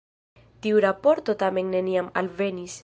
Tiu raporto tamen neniam alvenis.